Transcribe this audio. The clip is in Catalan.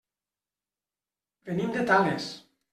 Venim de Tales.